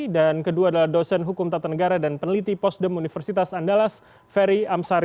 dan kedua adalah dosen hukum tata negara dan peneliti posdem universitas andalas ferry amsari